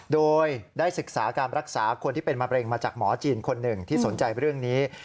โดยได้ศึกษาการรักษาคนที่เป็นมะเร็งมาจากหมอจีนคนหนึ่งที่สนใจเรื่องนี้